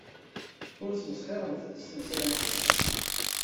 Ur smesxiremt s temsal am ti.